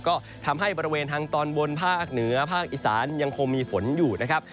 ก็ทำให้บริเวณทางตอนบนภาคเหนือภาคอีสานยังคงมีฝนอยู่นะครับ